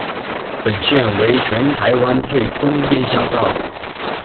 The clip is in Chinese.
本线为全台湾最东边乡道。